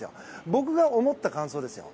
僕が思った感想ですよ。